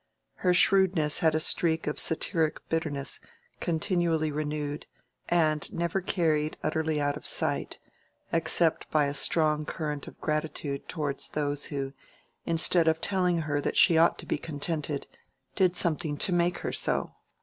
Her shrewdness had a streak of satiric bitterness continually renewed and never carried utterly out of sight, except by a strong current of gratitude towards those who, instead of telling her that she ought to be contented, did something to make her so.